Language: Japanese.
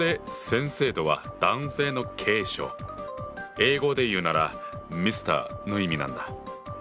英語で言うなら「Ｍｒ．」の意味なんだ。